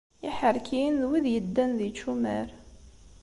Iḥerkiyen d wid yeddan d yičumar.